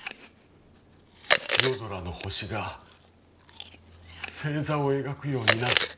夜空の星が星座を描くようにな。